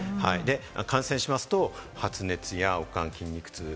感染しますと発熱や悪寒、筋肉痛。